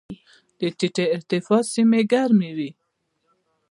د ټیټې ارتفاع سیمې ګرمې وي.